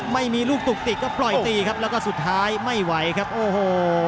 ไม่มีลูกตุกติกก็ปล่อยตีครับแล้วก็สุดท้ายไม่ไหวครับโอ้โห